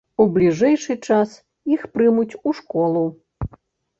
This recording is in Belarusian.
У бліжэйшы час іх прымуць у школу.